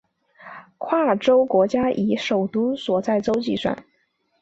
跨洲国家以首都所在洲计算。